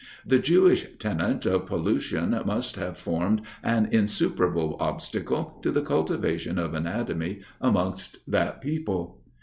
The Jewish tenet of pollution must have formed an insuperable obstacle to the cultivation of anatomy amongst that people.